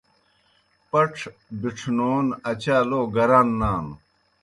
پݜ بِڇھنون اچا لو گران نانوْ۔